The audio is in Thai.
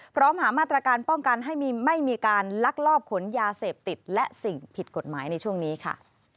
พร้อมหามาตรการป้องกันไม่มีการลักลอบขนยาเสพติดและสิ่งผิดกฎหมายในช่วงนี้ค่ะ